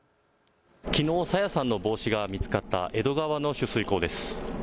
きのう朝芽さんの帽子が見つかった江戸川の取水口です。